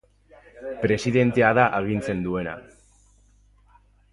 Presidentea da agintzen duena.